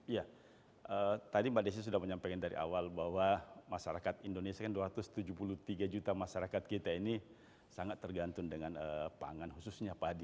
ya tadi mbak desi sudah menyampaikan dari awal bahwa masyarakat indonesia kan dua ratus tujuh puluh tiga juta masyarakat kita ini sangat tergantung dengan pangan khususnya padi